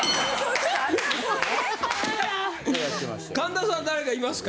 神田さんは誰かいますか？